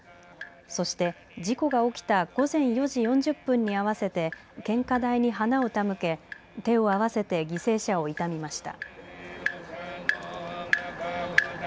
そして事故が起きた午前４時４０分に合わせて献花台に花を手向け手を合わせて犠牲者を悼みました。